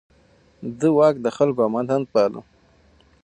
ده واک د خلکو امانت باله.